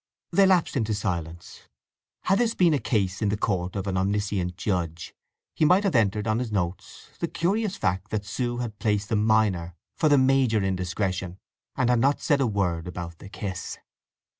They lapsed into silence. Had this been a case in the court of an omniscient judge, he might have entered on his notes the curious fact that Sue had placed the minor for the major indiscretion, and had not said a word about the kiss.